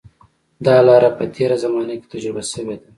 دا لاره په تېره زمانه کې تجربه شوې ده.